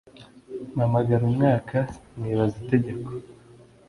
Mpamara umwaka nkibaza itegeko